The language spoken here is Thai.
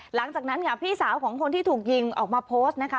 หลังจากนั้นค่ะพี่สาวของคนที่ถูกยิงออกมาโพสต์นะคะ